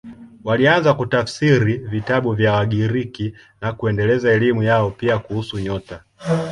Walianza kutafsiri vitabu vya Wagiriki na kuendeleza elimu yao, pia kuhusu nyota.